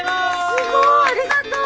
すごいありがとう！